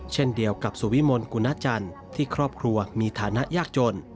เช่นเดียวกับสุวิมลกุณจันทร์ที่ครอบครัวมีฐานะยากจน